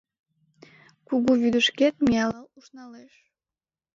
Кугу вӱдышкет миялал ушналеш.